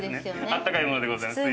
あったかいものでございます。